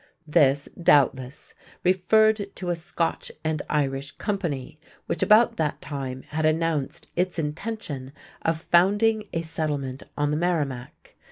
This, doubtless, referred to a Scotch and Irish company which, about that time, had announced its intention of founding a settlement on the Merrimac.